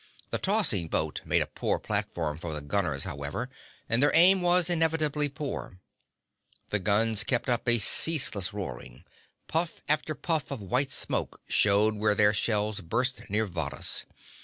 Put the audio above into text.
The tossing boat made a poor platform for the gunners, however, and their aim was inevitably poor. The guns kept up a ceaseless roaring. Puff after puff of white smoke showed where their shells burst near Varrhus.